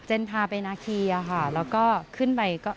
พาไปนาคีอะค่ะแล้วก็ขึ้นไปก็